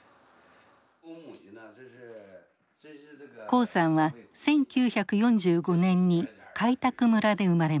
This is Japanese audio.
黄さんは１９４５年に開拓村で生まれました。